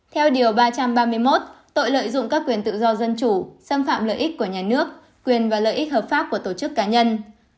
theo điều ba trăm ba mươi một tội lợi dụng các quyền tự do dân chủ xâm phạm lợi ích của nhà nước quyền và lợi ích hợp pháp của tổ chức cá nhân